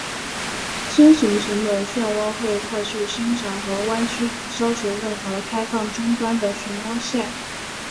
新形成的涡旋会快速伸展和弯曲以消除任何开放终端的涡旋线。